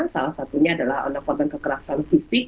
salah satunya adalah korban kekerasan fisik